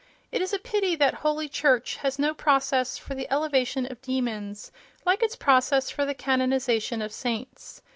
It is a pity that Holy Church has no process for the elevation of demons, like its process for the canonization of saints.